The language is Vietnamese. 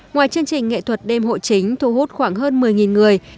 ngoài chương trình nghệ thuật đêm hội chính thu hút khoảng hơn một mươi người